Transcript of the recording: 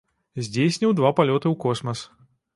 Здзейсніў два палёты ў космас.